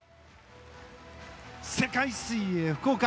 世界水泳福岡。